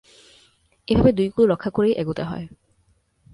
এভাবে দুই কূল রক্ষা করেই এগোতে হয়।